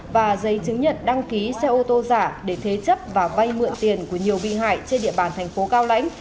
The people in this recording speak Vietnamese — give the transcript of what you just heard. và giấy chứng nhận đăng ký xe ô tô giả để thế chấp và vay mượn tiền của nhiều bị hại trên địa bàn thành phố cao lãnh